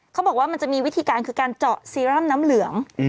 เขาบอกว่ามันจะมีวิธีการคือการเจาะซีร่ำน้ำเหลือง